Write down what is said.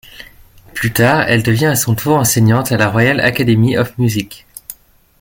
Plus tard, elle devient à son tour enseignante à la Royal Academy of Music.